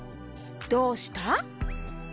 「どうした」？